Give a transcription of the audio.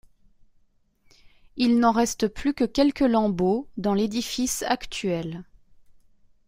Il n'en reste plus que quelques lambeaux dans l'édifice actuel.